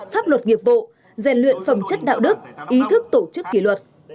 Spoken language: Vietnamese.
pháp luật nghiệp bộ gian luyện phẩm chất đạo đức ý thức tổ chức kỷ luật